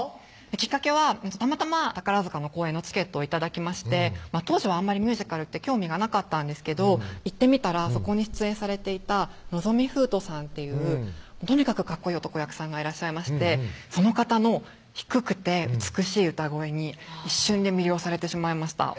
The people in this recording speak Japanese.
きっかけはたまたま宝塚の公演のチケットを頂きまして当初はあんまりミュージカルって興味がなかったんですけど行ってみたらそこに出演されていた望海風斗さんっていうとにかくかっこいい男役さんがいらっしゃいましてその方の低くて美しい歌声に一瞬で魅了されてしまいました